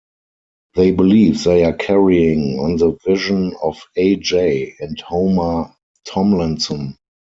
They believe they are carrying on the vision of A. J. and Homer Tomlinson.